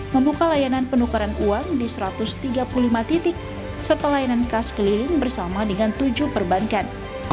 membuka layanan penukaran uang di satu ratus tiga puluh lima titik serta layanan khas keliling bersama dengan tujuh perbankan